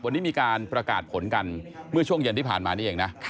วันนี้มีการประกาศผลกันเมื่อช่วงเย็นที่ผ่านมานี่เองนะ